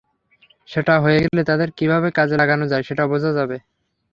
সেটা হয়ে গেলে তাঁদের কীভাবে কাজে লাগানো যায়, সেটা বোঝা যাবে।